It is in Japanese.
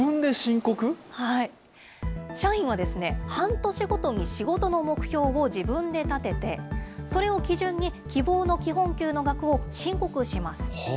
社員は半年ごとに仕事の目標を自分で立てて、それを基準に、希望の基本給の額を申告します。